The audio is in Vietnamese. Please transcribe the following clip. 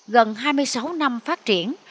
gần hai mươi sáu năm phát triển